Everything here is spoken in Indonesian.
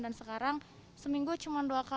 dan sekarang seminggu cuma dua kali sedih sih kang